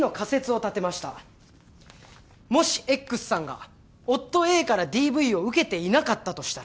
もしＸさんが夫ＡからＤＶを受けていなかったとしたら？